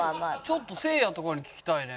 ちょっとせいやとかに聞きたいね。